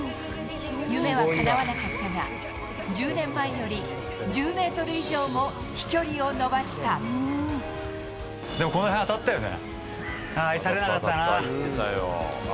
夢はかなわなかったが、１０年前より、１０メートル以上も飛距離でもこの辺、当たったよね。